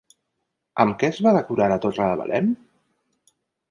Amb què es va decorar la Torre de Belém?